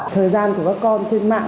thời gian của các con trên mạng